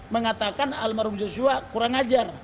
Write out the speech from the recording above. mengatakan almarhum joshua kurang ajar